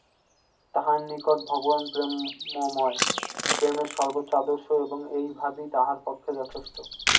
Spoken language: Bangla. তাঁহার নিকট ভগবান প্রেমময়, প্রেমের সর্বোচ্চ আদর্শ এবং এই ভাবই তাঁহার পক্ষে যথেষ্ট।